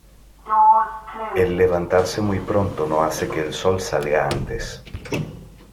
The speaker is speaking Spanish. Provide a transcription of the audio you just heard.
El levantarse muy pronto no hace que el sol salga antes